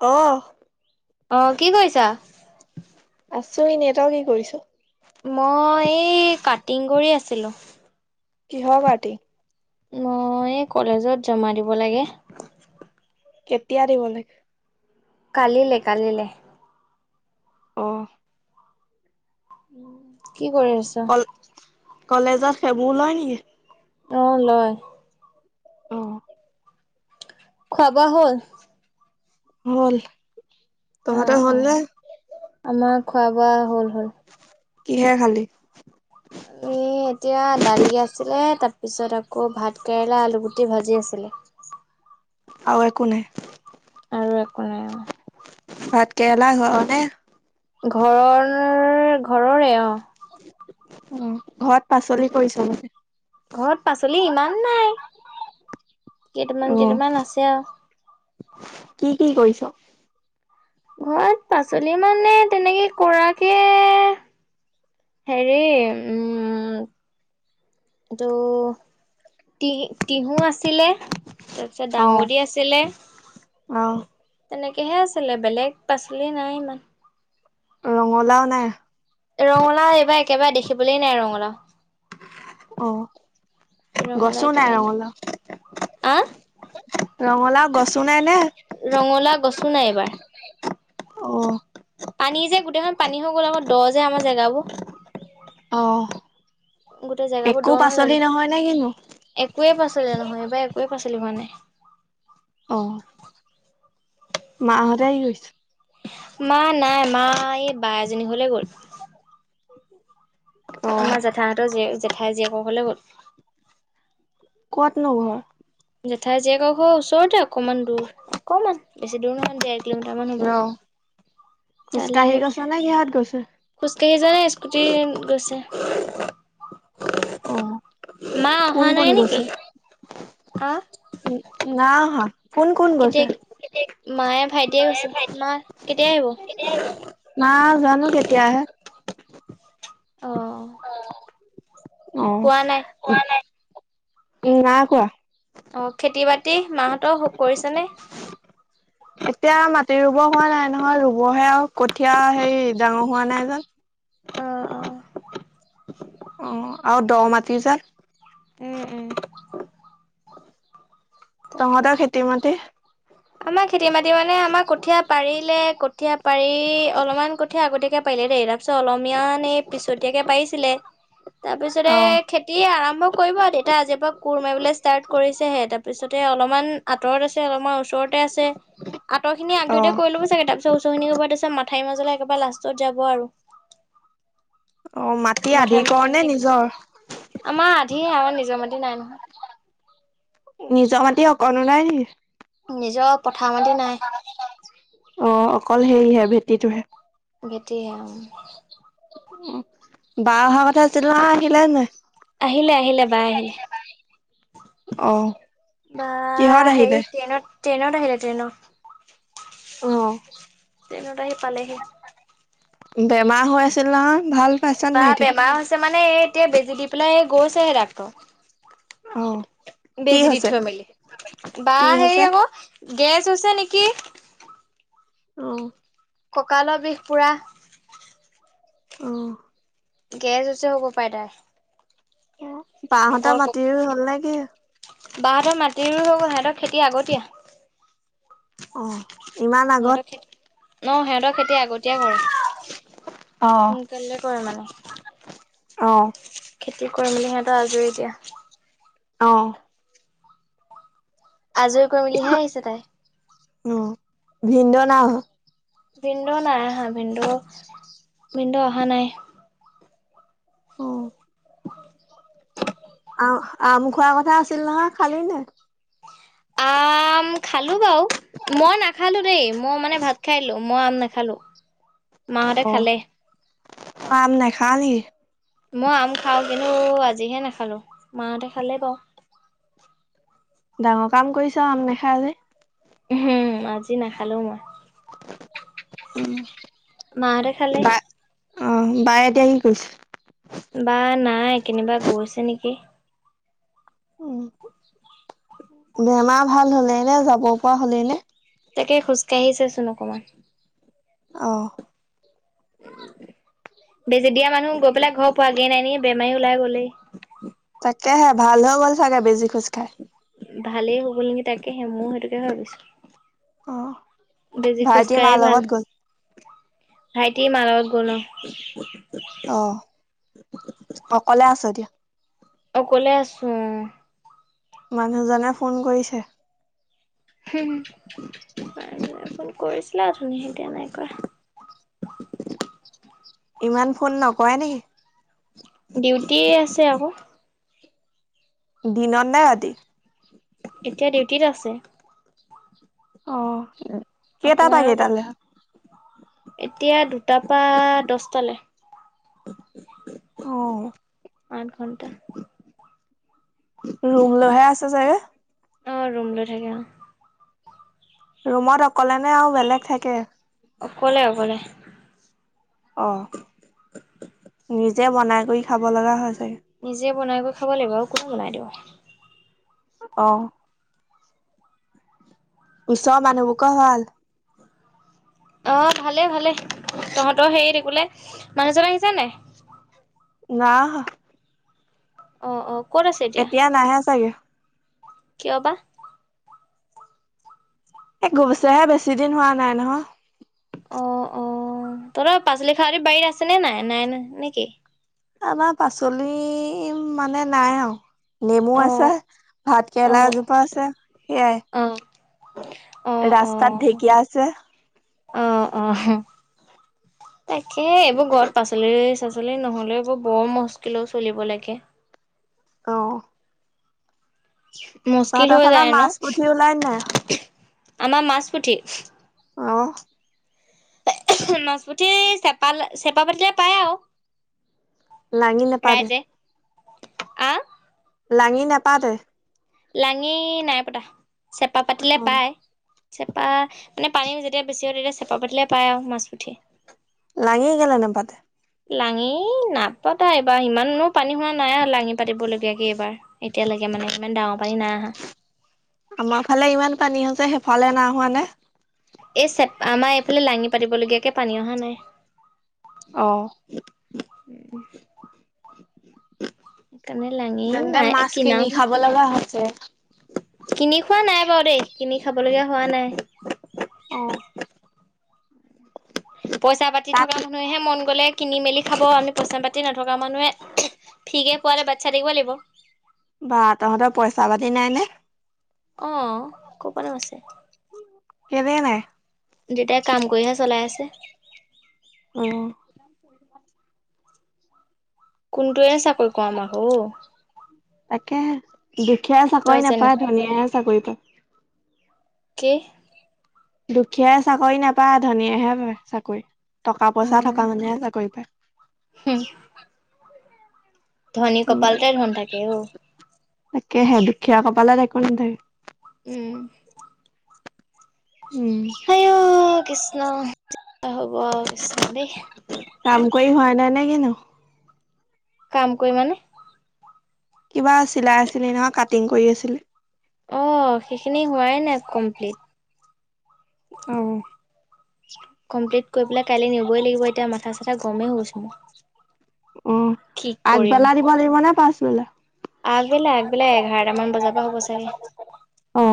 Hello অ', অ', কি কৰিছা? আছো এনে তই কি কৰিছ? মই এই কাটিং কৰি আছিলো। কিহ কাটিং? মই কলেজত জমা দিব লাগে। কেতিয়া দিব লাগে? কালিলে কালিলে। অ', কি কৰি আছা? কল কলেজত সেইবোৰ লয় নেকি? অ', লয়। অ', খোৱা বোৱা হ'ল। হ'ল। অ, তহঁতৰ অ, হ'ল নে আমাৰ খোৱা বোৱা হ'ল হ'ল। কিহে খালি? [unintelligible] এ, এতিয়া দালি আছিলে তা পিছত আকৌ ভাত কেৰেলা আলু গুটি ভাজি আছিলে। [unintelligible] আৰু একো নাই আৰু একো নাই অ। ভাত কেৰেলা [unintelligible] ঘৰৰ, ঘৰৰে, অ উম'। ঘৰত পাচলি ইমান নাই। কেইটামান অহ কেইটামান আছে আৰু। কি কি কৰিছ? ঘৰত পাচলি মানে তেনেকে কৰাকে হেৰি উম টো টিহু আছিলে। তাৰপিছত অহ ডাঙবদি আছিলে অহ তেনেকে হে আছিলে বেলেগ পাচলি নাই ইমান। ৰঙলাও নাই? ৰঙলাও এইবাৰ একেবাৰে দেখিবলৈ নাই ৰঙলাও। অ। ৰঙলাও একেবাৰে নাই ৰঙালাও আ গছো নাই নে ৰঙলাও গছো নাই এবাৰ। অহ পানী যে, গোটেইখন পানী হৈ গ'ল আকৌ দ যে আমাৰ জেগাবোৰ। অ, গোটেই জেগাবোৰ দ নহয় জানো? কিনো একোৱে পাচলি নহয় এইবাৰ একোৱে পাচলি হোৱা নাই। অ, মাহতে কি কৰিছে? মা নাই, মা এ বা এজনী ঘৰলে গ'ল। অহ আমাৰ জেঠাই হতঁৰ জীয়েক জেঠাই জীয়েকৰ ঘৰলে গ'ল। কত নো ঘৰ? জেঠাই জীয়েক ঘৰ ওচৰতে অকণমান দূৰ অকণমান বেছি দূৰ নহয় দেৰ কিলোমিটাৰ মান হ'ব অহ তালে খোজকাঢ়ি গ'ল। গৈছে নে কিহত গৈছে? খোজকাঢ়ি যোৱা নাই স্কুটি গৈছে। অ, মা কোন অহা নাই কোন নেকি গৈছে? আহ উ, না আহা কোন কোন গৈছে? কেতিয়া মায়ে ভাইটিয়ে গৈছে, মা কেতিয়া আহিব? মা, জানো কেতিয়া আহে। অ, কোৱা নাই উম না কোৱা প্ৰতি মাহঁতৰ কৰিছেনে এতিয়া মাটিৰ ৰুব হোৱা নাই নহয় ৰুবহে আৰু কঠীয়া হেৰি ডাঙৰ হোৱা নাই যে অহ অহ অ আৰু দ মাটি যে উম উম তাকে তহঁতৰ খেতি মাটি আমাৰ খেতি মাতি মানে আমাৰ কঠীয়া পাৰিলে কঠীয়া পাৰি অলপমান কঠীয়া আগতে পাৰিলে দে তাৰিত অলীয়ান এই পিছতীয়াকে পাৰিছিলে তাৰ পিছতে অ', খেতি আৰম্ভ কৰিব তেতা আজিৰ পৰা কোৰ মাৰিবলৈ ষ্টাৰ্ট কৰিছেহে তাৰপিছতে অলপমান আঁতৰত আছে অলপমান ওচৰত আছে আতৰ খিনি [unintelligible] অ', কৰি ল'ব চাগে তাপ ওচৰখিনি [unintelligible] মাথাই মাজলৈ একেবাৰে লাষ্টত যাব আৰু। অ', মাটি আধি মথাৰ কৰ মাজৰ নে খিনি নিজৰ? আমাৰ [unintelligible] আমাৰ নিজৰ মাটি নাই নহয়। নিজৰ মাতি অকণো নাই নেকি? নিজৰ পথাৰ মাটি নাই অ', অকল হেৰিহে ভেটিটোহে। ভেটিহে অ'। বা অহা কথা আছিল নহয় আহিলে নাই? আহিলে আহিলে বা আহিলে। অ', বা কিহত আহিলে? সেই ট্ৰেইনত ট্ৰেইনত আহিলে ট্ৰেইনত। অ'। ট্ৰেইনত আহি পালেহি। বেমাৰ হৈ আছিল নহয়। ভাল পাইছান কিবা নাই এতিয়া বেমাৰ হৈছে মানে এই এতিয়া বেজি দি পেলাই গৈছেহে অ ডাক্তৰ। কি বেজি দি হৈছে থৈ মেলি বা কি হৈছে হেৰি আকৌ গেছ হয়চে নেকি। অ'। ককালৰ বিষ পুৰা। অ'। গেছ হছে হ'ব পাৰে তাইৰ। বাহতৰ মাটি ৰুই হ'ল নে কি? বাহতৰ মাটিৰোই হয় গল সৈহতৰ খেতি আগতীয়া। অ'। ইমান আগত সিহঁতৰ খেতি অ', সিহঁতৰ খেতি আগতিয়া কৰে। অ সোনকালে কৰে মানে। অ খেতি কৰি মেলি সিহতৰ আজৰি এতিয়া। অ'। আজৰি কৰি মেলিহে আহিছে তাই। অ', ভিন্দ নাই অহা? ভিন্দু নাই আহা ভিন্দু ভিন্দু অহা নাই। [inaudible] অ', আম খোৱাৰ কথা আছিল নহয় খালি নাই? আ আম খালো বাৰু মই নাখালো দেই মই মানে ভাত খাইদিলো মই আম নাখালো। মাহঁতে খালে। খালহি। মই আম খাওঁ কিন্তু আজিহে নাখালো মাঁহতে খালে বাৰু। ডাঙৰ কাম কৰিছা আম নেখাই যে। হুম, আজি নাখালোঁ মই। উম মাহঁতে খালে। অঁ! বায়ে এতিয়া কি কৰিছে? বা নাই কেনিবা গৈছে নেকি? উম বেমাৰ ভাল হ'লেই নে? যাব পৰা হ'লেই নে? তাকে! খোজ কাাঢ়িছে চোন অকমান। অঁ। বেজি দিয়া মানুহ গৈ পেলাই ঘৰ পোৱাগে নাই ন, বেমাৰী ওলাই গ'লেই। তাকেহে! ভাল হৈ গ'ল চাগে বেজিৰ খুঁচ খাই! ভালেই হৈ গ'ল নেকি? তাকেহে, মই সেইটোকে ভাবিছোঁ। অ বেজিৰ খুঁচ ভাইটিৰ খাই মাৰ লগত ভাল গ'ল ভাইটি মাৰ লগত গ'লে। অঁ! অকলে আছ এতিয়া? অকলে আছোঁ অঁ! মানুহজনে ফোন কৰিছে! হুম ফোন কৰিছিলে অথনি এতিয়া নাই কৰা। সঠিক স্বৰ শুনা নগ'ল। ইমান ফ'ন নকৰা নেকি? ডিউটি আছে আকৌ। দিনত নে ৰাতি? এতিয়া ডিউটিত আছে! অঁ! কেইটাৰ অকমান পৰা আগত কেইটালৈ? এতিয়া দুটাৰ পৰা দহটালৈ! অ আঠ ঘণ্টা। ৰুম লৈহে আছে চাগে? অঁ! ৰুম লৈ থাকে! ৰুমত অকলে নে আৰু বেলেগ থাকে? অকলে অকলে অঁ! নিজে বনাই কৰি খাব লগা হয়। চাগে নিজে বনাই কৰি খাব লাগিব আৰু কোনে বনাই দিব? অঁ! ওচৰৰ মানুহবিলাকৰ ভাল! অঁ! ভালে ভালে! তহঁতৰ হেৰি কি বোলে, মানুহজন আহিছে নে নাই? নাই অহা। অঁ অঁ! এতিয়া নাহে চাগে! কিয় বা? এই গৈছেহে বেছি দিন হোৱা নাই নহয়! অঁ অঁ! তহঁতৰ পাচলি-শাকনি বাৰী আছে নে নাই? নাই নেকি? আমাৰ পাচলি মানে নাই আৰু! নেমু অ আছে, ভাত অ কেৰেলা এজোপা আছে, সেয়াই। অ ৰাস্তাত ঢেঁকীয়া আছে। অঁ অঁ। তাকে এইবোৰ ঘৰত পাঁচলি-চাচলি নহ'লে এইবোৰ বৰ মস্কিলত চলিব লাগে। অঁ। মস্কিল হৈ ফালে যায় ন? মাছ পুঠি ওলাই নাই? আমাৰ মাছ-পুঠি। অঁ। মাছ-পুঠি? মাছ-পুঠি চেপাল চেপা পাতিলে পায়! লাঙি নেপাতে? আঁ? লাঙি নেপাতে? লাঙি নাই পতা চেপা পাতিলে অ', পাই। চেপা মানে পানী যেতিয়া বেছি হয় তেতিয়া চেপা পাতিলে পায় আৰু মাছ পুঠি। লাাগি গলে নেপাতে। লাঙি নাপাতো এইবাৰ ইমানো পানী হোৱা নাই আৰু লাঙি পাতিবলিগায়া কে এইবাৰ এতিয়ালৈকে। মানে ইমান ডাঙৰ পানী নাই আহা। আমাৰ ফালে ইমান পানী হৈছে সেইফালে নাই হোৱা নে? এই চেপ আমাৰ এইফালে লাঙি পাতিবলগীয়াকে পানী অহা নাই। অ'। [unintelligible] তনে লাঙি তেন্তে নাই মাছ কি ন কিনি খাব লগা হৈছে। কিনি খোৱা নাই বাৰু দেই কিনি খাবলগীয়া হোৱা নাই আহঁ। পইচা পাতি তাত থকা মানুহেহে মন গ'লে কিনি মেলি খাব আমি পইছা পাতি নথকা মানুহে ফিকে পোৱাতে বাত চাই থাকিব লাগিব। বা তহঁতৰ পইচা পাতি নাই নে? আহ ক'পালত আছে কেলে নাই দেউতাই কাম কৰিহে চলাই আছে আহ কোনটয়ে চাকৰি ক আমাক অ তাকে দুখীয়া চাকৰি নাপায় যেনেকে ধনীযেহে চাকৰি পায় কি? দুখীযাই চাকৰি নাপায় ধনীয়েহে পই চাকৰি টকা পইচা উম থকা মানুহে চাকৰি পায়। হুম ধনী উম। কপালতেই ধন থাকে অ। তাকেহে দুখীয়া কপালে একো নাথাকে উম। উম আই অই কৃষ্ণ হ'ব কৃষ্ণ দেই কাম কৰি হোৱা নাই নে কিনো কাম কৰি মানে কিবা চিলাই আছিলে নহয় কাটিং কৰি আছিলে আহ সেইখিনি হোৱাই নাই কমপ্লিট আহ কমপ্লিট কৰি পেলাই কাইলৈ নিবই লাগিব এতিয়া মাথা চাথা গৰমেই হৈ গৈছে মোৰ। অ কি কৰিম আগবেলা দিব লাগিব ন পাছবেলা আগবেলা আগবেলা এঘাৰটামান বজাৰ পৰা হ'ব চাগে অ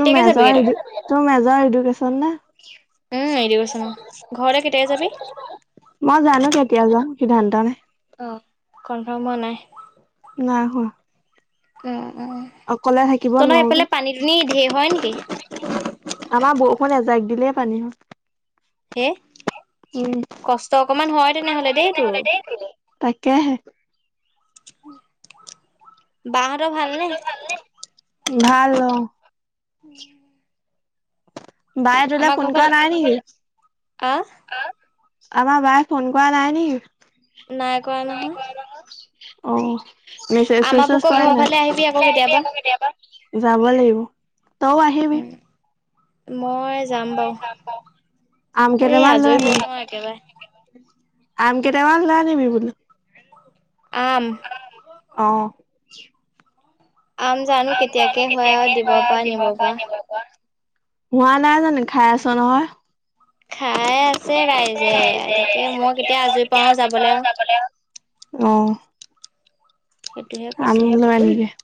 তোৰ যাবিগে তই মেজৰ তোৰ মেজৰ এডুকেশচন নে উম এডুকেশ্বন ম ঘৰে কেেইটাকে যাবি মই জানো কেতিয়া যাম সিদ্ধান্ত নে অ কনফাৰম হোৱা নাই নাই হোৱা উ উ অকলে থাকিব ত নহ নোৱাৰো যে সফালে পানী দুনি ঢেৰ হয় নেকি আমাৰ বৰষুণ এজাক দিলেে পানী হ'ল। হে উম কষ্ট অকমান হয় তেনেহলে দেই তোৰ উ তাকেহে বা হতৰ ভালনেে? ভাল অ বাই তোলে আমাৰ ঘৰ ফোন কৰা ফালে নাই নেকি আহ আমাৰ বাই ফোন কৰা নাই নি নাই কৰা নহয় অ মেছেজ আমাৰ চেছেজ বুকৰ ঘৰৰ কৰে ফালে আহিবি আকৌ কেতিয়াবা। নেই যাব লাগিব তও আহিবি মই যাম বাৰু এই আম আজৰি এই কেইটামান লৈ আজৰি আনিবি হৈ লওঁ একেবাৰে আম কেইটামান লৈ অনিবি বোলো আম আহ আম জানো কেতিয়া কে হয় দিব পৰা নিব পৰা হোৱা নাই জানো খাই আছ নহয়। [unintelligible] ঠাই আছে ৰাইজে তাকে মই কেতিয়া আজৰি পাও যাবলৈ আৰু অ', সেইটোহে কৈছো। আমি লয় [unintelligible]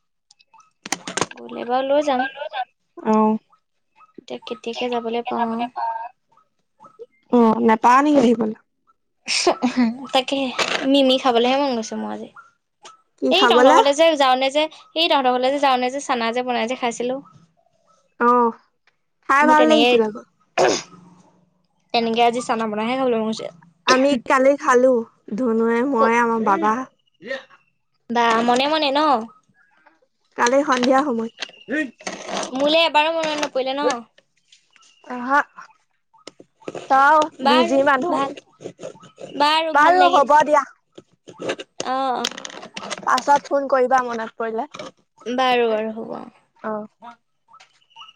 গ'লে বাৰো লৈ যাম। অ এতিয়া কেতিয়াকে যাবলৈ পাওঁ। অ', নাপাও নেকি আহিবলে? [inaudible] তাকে মিমি খাবলেহে মন গৈছে মোৰ আজি কি এই টাউনৰ খাবলে ফালে যাওঁনে যে সেই তহঁতৰ ঘৰলে যে যাওঁনে যে চানা যে বনাই যে খাইছিলো অ', খাই মোৰ ভাল তেনেকে লাগিছিল আকৌ তেনেকে আজি চানা বনাহে খাবলৈ মন গৈছে। আমি কালি খালো ধনুৱে মই আমাৰ বাবা বা মনে মনে ন' কালি সন্ধিয়া সময় উহ মোলে এবাৰো মনলৈ নপৰিলে ন' আহা তই [inaudible] বিজি বাৰু মানুহ ভাল বাৰু ভাল হ'ব লাগিল। দিয়া অ', পাছত ফোন কৰিবা মনত পৰিলে বাৰু বাৰু হ'ব অ অ', [inaudible]